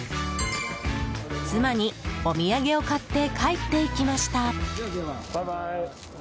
妻にお土産を買って帰っていきました。